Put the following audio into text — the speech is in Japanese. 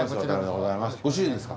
ご主人ですか？